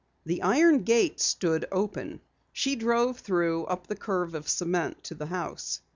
The iron gate stood open. She drove through, up the curve of cement to the house.